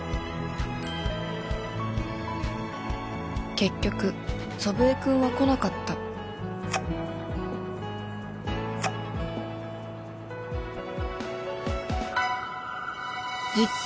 結局祖父江君は来なかった実況？